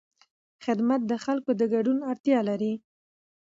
خدمت د خلکو د ګډون اړتیا لري.